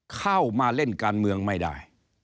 เข้ามาเล่นการเมืองไม่ได้